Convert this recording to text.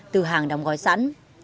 từ hàng đóng gói sẵn